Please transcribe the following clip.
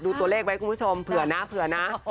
ดูตัวเลขไว้คุณผู้ชมเผื่อนะ